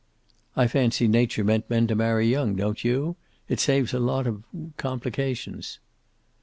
"I fancy Nature meant men to marry young, don't you? It saves a lot of complications."